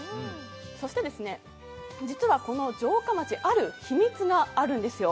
そして、実はこの城下町、ある秘密があるんですよ。